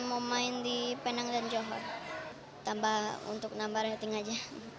mau main di penang dan johor tambah untuk nambah rating aja